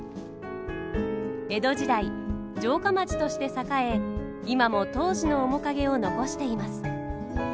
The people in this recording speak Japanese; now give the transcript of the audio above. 江戸時代城下町として栄え今も当時の面影を残しています。